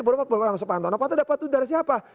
berapa tahun sepadan tanapan tanda patung tundar siapa